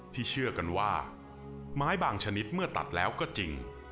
เชื่อกันว่าไม้บางชนิดเมื่อตัดแล้วก็จริง